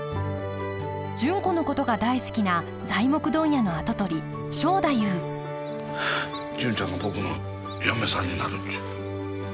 純子のことが大好きな材木問屋の跡取り正太夫純ちゃんが僕の嫁さんになるっちゅう。